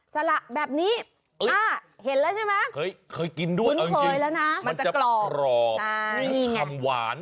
สละแบบนี้เห็นแล้วใช่ไหมเคยกินด้วยมันจะกรอบมันจะกรอบนี่ไงชำหวาน